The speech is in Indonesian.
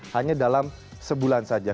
hanya dalam sebulan saja